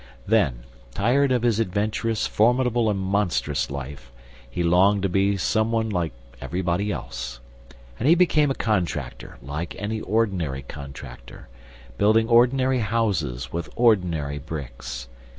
Then, tired of his adventurous, formidable and monstrous life, he longed to be some one "like everybody else." And he became a contractor, like any ordinary contractor, building ordinary houses with ordinary bricks.